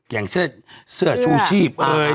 อย่างเช่นเสื้อชูชีพ